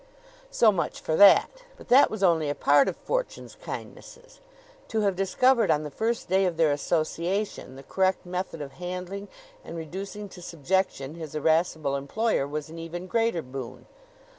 So much for that. But that was only a part of Fortune's kindnesses. To have discovered on the first day of their association the correct method of handling and reducing to subjection his irascible employer was an even greater boon.